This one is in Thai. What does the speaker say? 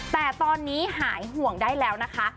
แต่ตอนนี้หายห่วงได้แล้วนะคะ